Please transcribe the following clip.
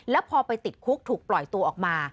แล้วพอไปติดคุกถูกปล่อยตัวออกมา